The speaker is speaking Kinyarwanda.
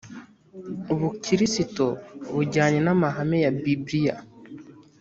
ubukirisito bujyanye n’amahame ya biblia